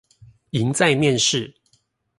贏在面試